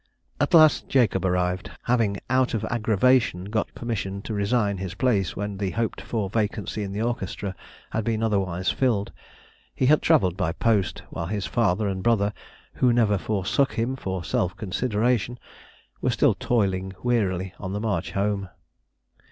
At last Jacob arrived (having "out of aggravation" got permission to resign his place when the hoped for vacancy in the orchestra had been otherwise filled) he had travelled by post, while his father and brother, "who never forsook him for self consideration," were still toiling wearily on the march home.